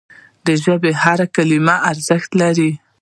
د ژبي هره کلمه ارزښت لري.